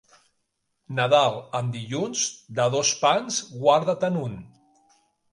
Nadal en dilluns, de dos pans, guarda-te'n un.